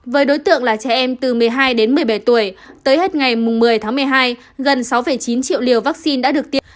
với đối tượng là trẻ em từ một mươi hai đến một mươi bảy tuổi tới hết ngày một mươi tháng một mươi hai gần sáu chín triệu liều vaccine đã được tiêm